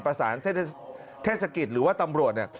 ประสานเทศกิจหรือว่าตำรวจเนี่ย